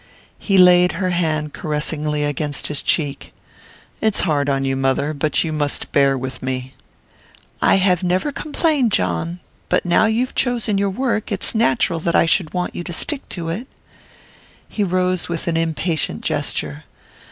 He laid her hand caressingly against his cheek. "It's hard on you, mother but you must bear with me." "I have never complained, John; but now you've chosen your work, it's natural that I should want you to stick to it." He rose with an impatient gesture.